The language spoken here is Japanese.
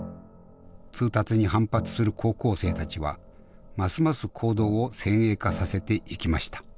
通達に反発する高校生たちはますます行動を先鋭化させていきました。